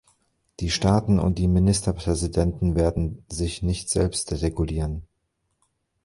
Die Staaten und die Ministerpräsidenten werden sich nicht selbst regulieren!